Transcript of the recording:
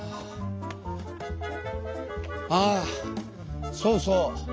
あそうそう。